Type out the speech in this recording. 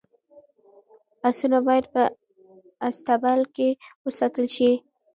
اسونه باید په اصطبل کي وساتل شي.